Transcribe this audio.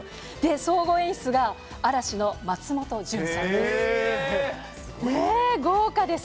総合演出が、嵐の松本潤さんです。